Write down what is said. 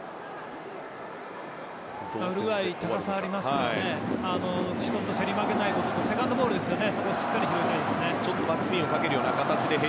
ウルグアイ高さがあるので１つ競り負けないこととセカンドボールですね。